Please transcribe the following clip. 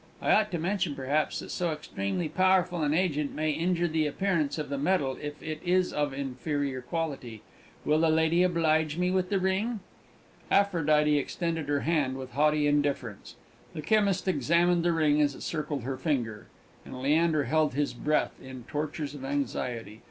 I ought to mention, perhaps, that so extremely powerful an agent may injure the appearance of the metal if it is of inferior quality. Will the lady oblige me with the ring?" Aphrodite extended her hand with haughty indifference. The chemist examined the ring as it circled her finger, and Leander held his breath in tortures of anxiety.